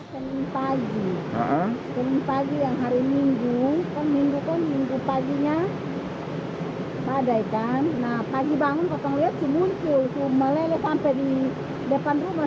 kami pagi hari minggu minggu paginya pada pagi bangun kita lihat muncul meleleh sampai di depan rumah